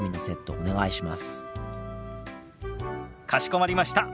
かしこまりました。